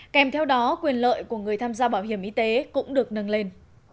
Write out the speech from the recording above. kèm theo đó quyền lợi của người tham gia bảo hiểm y tế cũng được nâng lên